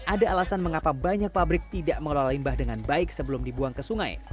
ada alasan mengapa banyak pabrik tidak mengelola limbah dengan baik sebelum dibuang ke sungai